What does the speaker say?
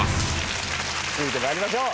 続いて参りましょう。